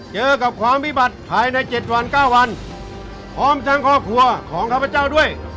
เจอกับความวิบัติภายใน๗วัน๙วันพร้อมทั้งครอบครัวของข้าพเจ้าด้วย